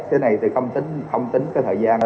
cái này thì không tính thời gian